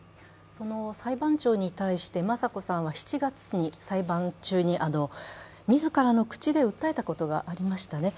裁判長に対して雅子さんは７月に裁判中に自らの口で訴えたことがありましたね。